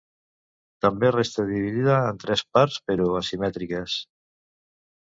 També resta dividida en tres parts, però asimètriques.